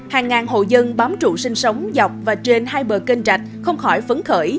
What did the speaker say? hàng ngàn hộ dân bám trụ sinh sống dọc và trên hai bờ kênh rạch không khỏi phấn khởi